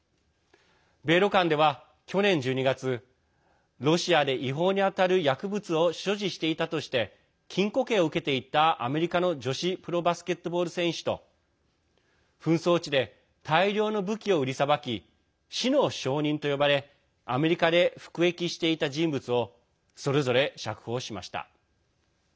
米ロ間では去年１２月ロシアで違法に当たる薬物を所持していたとして禁錮刑を受けていたアメリカの女子プロバスケットボール選手と紛争地で大量の武器を売りさばき死の商人と呼ばれアメリカで服役していた人物をそれぞれ、釈放しました。